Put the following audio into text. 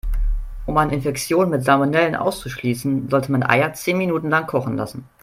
Um eine Infektion mit Salmonellen auszuschließen, sollte man Eier zehn Minuten lang kochen lassen.